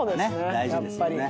大事ですね。